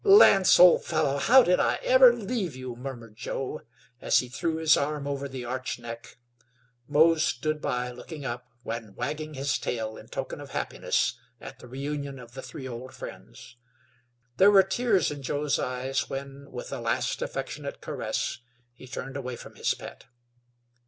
"Lance, old fellow, how did I ever leave you!" murmured Joe, as he threw his arm over the arched neck. Mose stood by looking up, and wagging his tail in token of happiness at the reunion of the three old friends. There were tears in Joe's eyes when, with a last affectionate caress, he turned away from his pet.